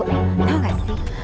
eh bu tau gak sih